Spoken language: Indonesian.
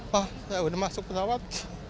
wah saya udah masuk pesawat